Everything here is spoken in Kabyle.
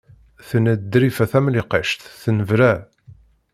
Tenna-d Ḍrifa Tamlikect, tennebra.